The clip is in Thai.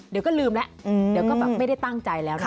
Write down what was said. เดี๋ยวก็ลืมแล้วเดี๋ยวก็แบบไม่ได้ตั้งใจแล้วนะคะ